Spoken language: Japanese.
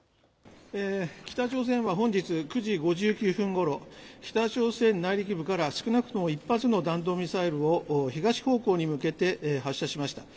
北朝鮮は本日９時５９分ごろ北朝鮮内陸部から少なくとも１発の弾道ミサイルを東方向に向けて発射しました。